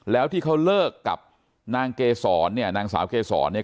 แล้วที่เขาเลิกกับนางเกษรเนี่ยนางสาวเกษรเนี่ย